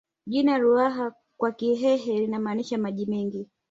Jina Ruaha kwa Kihehe linamaanisha maji mengi